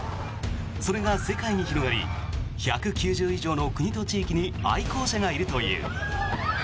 それが世界に広がり１９０以上の国と地域に愛好者がいるという。